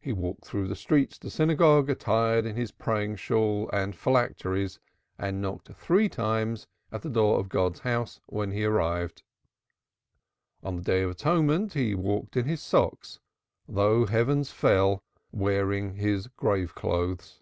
He walked through the streets to synagogue attired in his praying shawl and phylacteries, and knocked three times at the door of God's house when he arrived. On the Day of Atonement he walked in his socks, though the heavens fell, wearing his grave clothes.